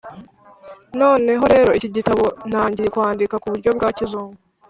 noneho rero iki gitabo ntangiye kwandika kuburyo bwa kizungu